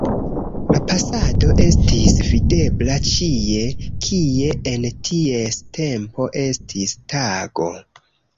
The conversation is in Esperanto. La pasado estis videbla ĉie, kie en ties tempo estis tago.